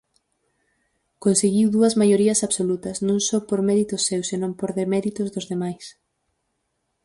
Conseguiu dúas maiorías absolutas, non só por méritos seus, senón por deméritos dos demais.